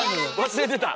忘れてた！